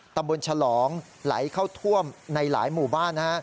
ตำบลฉลองไหลเข้าท่วมในหลายหมู่บ้าน